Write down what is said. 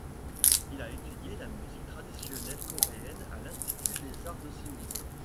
Il a étudié la musique traditionnelle coréenne à l'Institut des arts de Séoul.